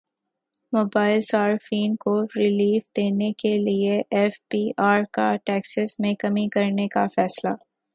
mobile صارفین کو relief دینے کیلئے ایف بی ار کا ٹیکسز میں کمی کا فیصلہ